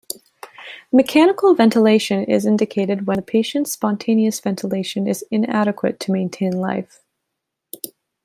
Mechanical ventilation is indicated when the patient's spontaneous ventilation is inadequate to maintain life.